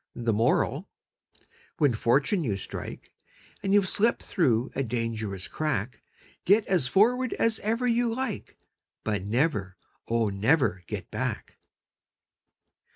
The Moral: When fortune you strike, And you've slipped through a dangerous crack, Get as forward as ever you like, But never, oh, never get back!